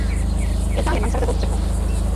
Krytá je mansardovou střechou.